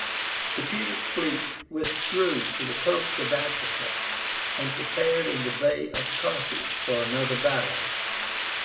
The Punic fleet withdrew to the coast of Africa, and prepared in the Bay of Carthage for another battle.